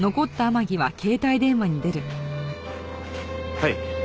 はい。